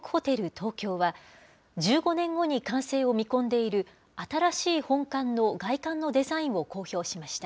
東京は、１５年後に完成を見込んでいる、新しい本館の外観のデザインを公表しました。